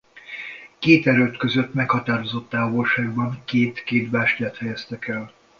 Két erőd között meghatározott távolságban két-két bástyát helyeztek el.